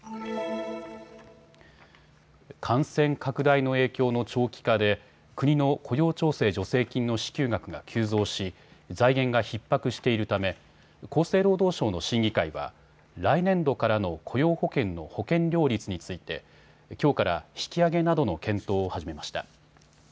感染拡大の影響の長期化で国の雇用調整助成金の支給額が急増し財源がひっ迫しているため厚生労働省の審議会は来年度からの雇用保険の保険料率についてきょうから引き上げなどの検討を始めました。